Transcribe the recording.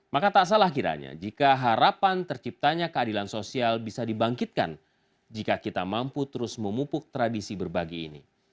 maka tak salah kiranya jika harapan terciptanya keadilan sosial bisa dibangkitkan jika kita mampu terus memupuk tradisi berbagi ini